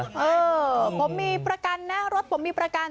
เออผมมีประกันนะรถผมมีประกัน